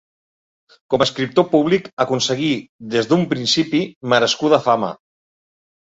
Com a escriptor públic aconseguí des d'un principi merescuda fama.